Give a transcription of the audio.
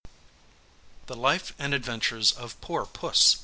] THE LIFE AND ADVENTURES OF POOR PUSS.